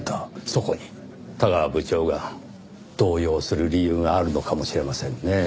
そこに田川部長が動揺する理由があるのかもしれませんねぇ。